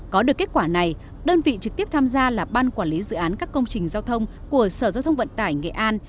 có được kết quả này đơn vị trực tiếp tham gia là ban quản lý dự án các công trình giao thông của sở giao thông vận tải nghệ an